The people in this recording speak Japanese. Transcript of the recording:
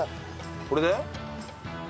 これで？